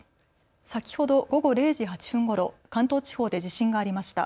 先ほど午後０時８分ごろ、関東地方で地震がありました。